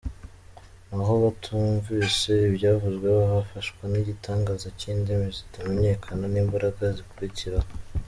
Naho batumvise ibyavuzwe, bafashwa n’igitangaza cy’indimi zitamenyekana, n’imbaraga zikurikiraho.